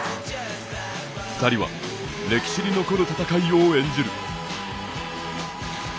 ２人は、歴史に残る戦いを演じる。